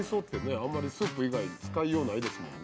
あんまりスープ以外に使いようないですもんね